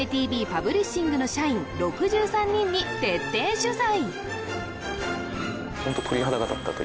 パブリッシングの社員６３人に徹底取材